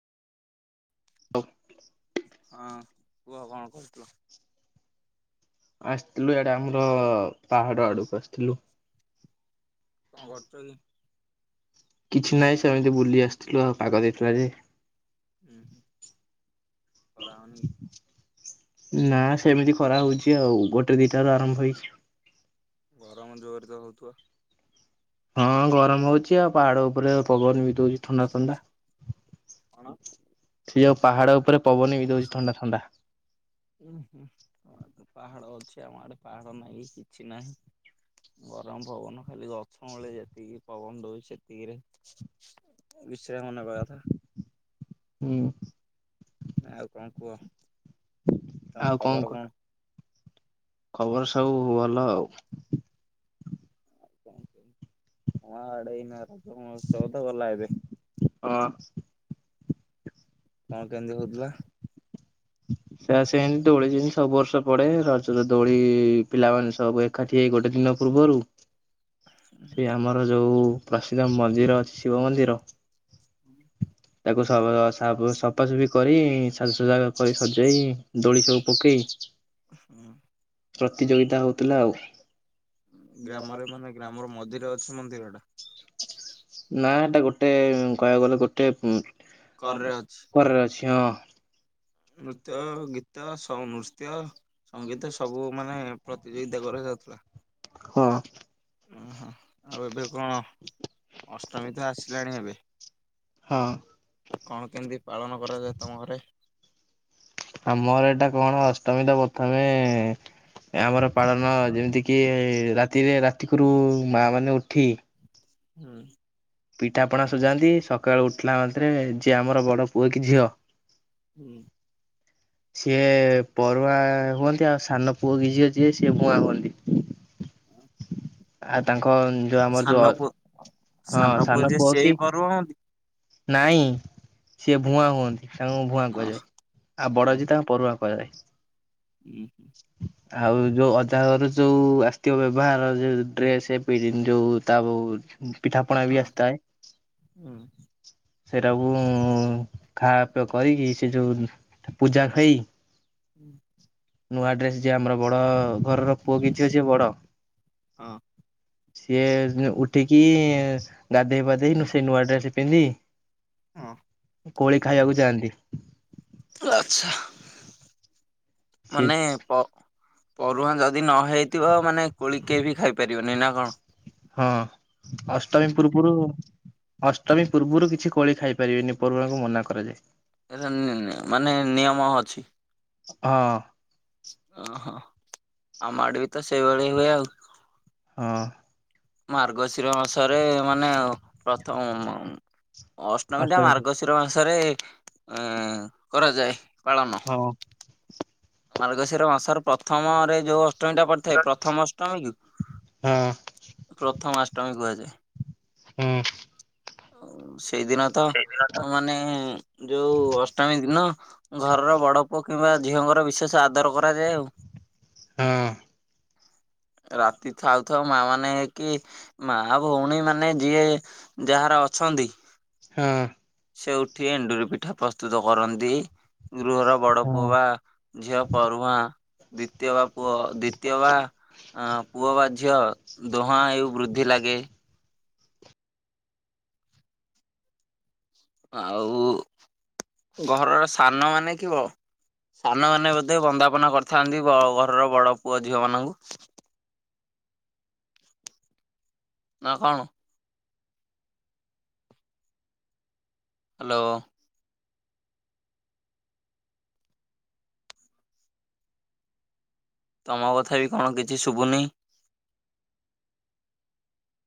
[unintelligible] ହଁ କୁହ କଣ କରୁଥିଲ? ଆସିଥିଲୁ ଇଆଡେ ଆମର ପାହାଡ ଆଡକୁ ଆସିଥିଲୁ। କଣ କରୁଛ କି? କିଛି ନାହିଁ ସେମିତି ବୁଲି ଆସିଥିଲୁ ଆଉ ପାଗ ଦେଇଥିଲା ଯେ। ହୁଁ ଖରା ହେଉନି କି? ନା ସେମିତି ଖରା ହଉଛି ଆଉ ଗୋଟେ ଦିଟାରୁ ଆରମ୍ଭ ହେଇଛି। ଗରମ ଜୋରେ ତ ହଉଥବ। ହଁ ଗରମ ହଉଛି ଆଉ ପାହାଡ ଉପରେ ପବନ ବି ଦଉଛି ଥଣ୍ଡା ଥଣ୍ଡା। କଣ? ସେ ଯୋଉ ପାହାଡ ଉପରେ ପବନ ବି ଦଉଛି ଥଣ୍ଡା ଥଣ୍ଡା। ହୁଁ ହୁଁ ତମ ଆଡ଼େ ତ ପାହାଡ ଅଛି ଆମ ଆଡେ ପାହାଡ ନାହିଁ କିଛି ନାହିଁ। ଗରମ ପବନ ଖାଲି ଗଛ ମୂଳେ ଯେତିକି ପବନ ଦଉଛି ସେତିକିରେ ବିଶ୍ରାମ ନବା କଥା। ହୁଁ। ଆଉ କଣ କୁହ ତମ ଆଉ କହ ଖବର କଣ? ଖବର ସବୁ ଭଲ ଆଉ। କ ଆଡେଇ ନହ ସବୁ ତ ଗଲା ଏବେ। ହଁ। କାମ କେମିତି ହଉଥିଲା? ସେ ସେମିତି ଦୋଳି ଯେମିତି ସବୁ ବର୍ଷ ପଡେ ରଜ ରେ ଦୋଳି ପିଲାମାନେ ସବୁ ଏକାଠି ହେଇ ଗୋଟେ ଦିନ ପୂର୍ବରୁ ସେ ଆମର ଯୋଉ ପ୍ରସିଦ୍ଧ ମନ୍ଦିର ଅଛି ଶିବ ମନ୍ଦିର ହୁଁ ତାକୁ ସ ସଫାସଫି କରି ସାଜାସଜା କରି ସଜେଇ ଦୋଳି ସବୁ ପକେଇ ହୁଁ। ପ୍ରତିଯୋଗିତା ହଉଥିଲା ଆଉ। ଗ୍ରାମରେ ମାନେ ଗ୍ରାମର ମନ୍ଦିର ଅଛି ମନ୍ଦିର ଟା ନା ଏଟା ଗୋଟେ କହିବାକୁ ଗଲେ ଗୋଟେ [unintelligible] କରରେ ଅଛି। ଘରେ ଅଛି ହଁ। ନୃତ୍ୟ ଗୀତ ସଉନୃତ୍ୟ ସଙ୍ଗୀତ ସବୁ ମାନେ ପ୍ରତିଯୋଗିତା କରାଯାଉଥିଲା। ହଁ ଓହୋ ଆଉ ଏବେ କଣ ଅଷ୍ଟମୀ ତ ଆସିଲାଣି ଏବେ। ହଁ କଣ କେମିତି ପାଳନ କରାଯାଏ ତମ ଘରେ ଆମର ଏଇଟା କଣ ଅଷ୍ଟମୀ ତ ପ୍ରଥମେ ଆମର ପାଳନ ଯେମିତିକି ରାତିରେ ରାତିକରୁ ମା ମାନେ ଉଠି ହୁଁ ପିଠାପଣା ସୁଝାନ୍ତି ସକାଳେ ଉଠିଲା ମାତ୍ରେ ଯିଏ ଆମର ବଡ଼ ପୁଅ କି ଝିଅ। ହୁଁ ସିଏ ପରୁଆ ହୁଅନ୍ତି ଆଉ ସାନ ପୁଅ କି ଝିଅ ଯିଏ ସିଏ ବୂଆଁ ହୁଅନ୍ତି। ଆଉ ତାଙ୍କ ଯୋଉ ଆମର ସାନ ଯୋଉ ପୁଅ ହଁ ସାନ ଯିଏ ପୁଅ ସେଇ କି ପର୍ବ ହଁ ନାଇଁ ସିଏ ଭୁଆଁ ହୁଅନ୍ତି। ସାଙ୍ଗ ଭୁଆଁ କୁହାଯାଏ ଆଉ ବଡ ଯିଏ ତାଙ୍କ ପରୁଆଁ କୁହାଯାଏ। ହୁଁ ହୁଁ। ହ। ଆଉ ଯୋଉ ଅଜା ଘରୁ ଯୋଉ ଆସ୍ଥିବ ବ୍ୟବହାର ଯୋଉ ଡ୍ରେସ୍ ପି ଯୋଉ ତା ବ ପିଠାପଣା ବି ଆସି ଥାଏ। ସେରା କୁ ଖାଆ ପିୟ କରିକି ସେ ଯୋଉ ପୂଜା ଖଇ। ହୁଁ। ନୂଆ ଡ୍ରେସ୍ ଯିଏ ଆମର ବଡ଼ ଘରର ପୁଅ କି ଝିଅ ସିଏ ବଡ ହଁ ସିଏ ଉଠିକି ଏ ଗାଧେଇ ପାଧେଇ ନୂ ସେ ନୂଆ ଡ୍ରେସ ପିନ୍ଧି। କୋଳି ଖାଇବାକୁ ଯଆନ୍ତି। ଆଛା ସିଏ ମାନେ ପ ପରୁଆଁ ଯଦି ନ ହେଇଥିବ ମାନେ କୋଳି କେ ବି ଖାଇପାରିବନି ନା କଣ। ହଁ ଅଷ୍ଟମୀ ପୂର୍ବରୁ ଅଷ୍ଟମୀ ପୂର୍ବରୁ କିଛି କୋଳି ଖାଇ ପାରିବେନି ପରୁଅଁ ଙ୍କୁ ମନା କରାଯାଏ। ଏର ନେ ନେ ମାନେ ନିୟମ ଅଛି। ହଁ। ଓ ହୋ ଆମାଡ ବି ତ ସେଇଭଳି ହୁଏ ଆଉ। ହଁ। ମାର୍ଗଶିର ମାସରେ ମାନେ ପ୍ରଥମ ମ ଅଷ୍ଟମୀ ଟା ମାର୍ଗଶିର ମାସରେ ଉ କରାଯାଏ ପାଳନ। ହଁ ହଁ ମାର୍ଗଶିର ମାସର ପ୍ରଥମରେ ଯୋଉ ଅଷ୍ଟମୀ ଟା ପଡିଥାଏ ପ୍ରଥମ ଅଷ୍ଟମୀ କି [unintelligible] ପ୍ରଥମାଷ୍ଟମୀ କୁହାଯାଏ। ହଁ ହୁଁ। ସେଇଦିନ ତ ମାନେ ଯୋଉ ଅଷ୍ଟମୀ ଦିନ। ଘରର ବଡ ପୁଅ କିମ୍ବା ଝିଅଙ୍କର ବିଶେଷ ଆଦର କରାଯାଏ ଆଉ। ହଁ। ରାତି ଥାଉ ଥାଉ ମା ମାନେ କି ମା ଭଉଣୀ ମାନେ ଯିଏ ଯାହାର ଅ ଚନ୍ତି ହଁ ସେ ଉଠି ଏଣ୍ଡୁରି ପିଠା ପ୍ରସ୍ତୁତ କରନ୍ତି। ଗୃହର ବଡ ପୁଅ ହଁ। ବା ଝିଅ ପରୁଆଁ ଦ୍ଵିତୀୟ ବା ପୁଅ ଦ୍ଵିତୀୟ ବା ଆ ପୁଅ ବା ଝିଅ ବ ଦୋହାଁ ଏଉ ବୃଦ୍ଧି ଲାଗେ। ଆଉ ଘରର ସାନ ମାନେ କିିବ ସାନମାନେ ବୋଧେ ବନ୍ଦାପନା କରିଥାନ୍ତି ବ ଘରର ବଡ ପୁଅ ଝିଅ ମାନଙ୍କୁ। ନା କଣ। ହାଲୋ। ତମ କଥା ବି କଣ କିଛି ଶୁଭୁନି।